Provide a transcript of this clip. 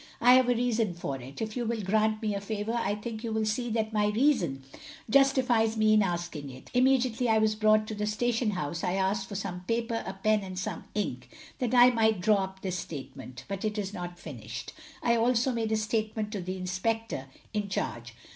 I have a reason for it. If you will grant me a favour, I think you will see that my reason justifies me in asking it. Immediately I was brought to the station house I asked for some paper, a pen, and some ink, that I might draw up this statement, but it is not finished. I also made a statement to the inspector in charge.